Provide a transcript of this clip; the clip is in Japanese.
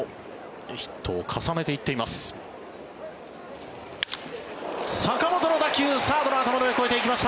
ヒットを重ねていってます。